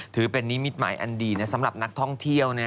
ถือเป็นนิมิตหมายอันดีสำหรับนักท่องเที่ยว